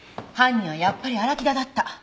犯人はやっぱり荒木田だった。